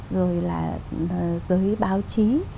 rồi là giới báo chí